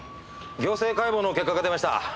行政解剖の結果が出ました。